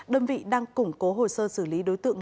đơn vị đang củng cố hồ sơ xử lý đối tượng